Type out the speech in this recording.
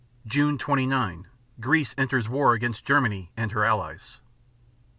_ June 29 Greece enters war against Germany and her allies.